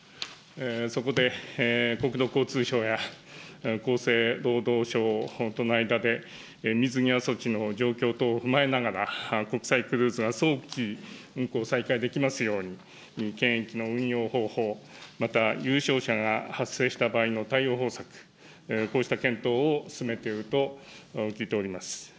そこで国土交通省や厚生労働省との間で、水際措置の状況等を踏まえながら、国際クルーズ船が早期運航再開できますように、検疫の運用方法、またゆうしょうしゃが発生した場合の対応策、こうした検討を進めておると聞いております。